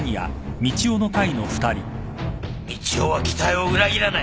みちおは期待を裏切らない！